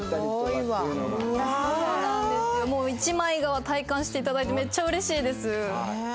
一枚皮体感していただいてめっちゃうれしいです。